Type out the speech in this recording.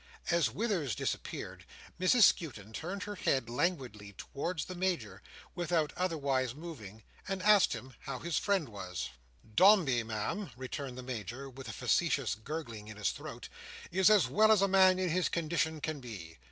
As Withers disappeared, Mrs Skewton turned her head languidly towards the Major, without otherwise moving, and asked him how his friend was. "Dombey, Ma'am," returned the Major, with a facetious gurgling in his throat, "is as well as a man in his condition can be.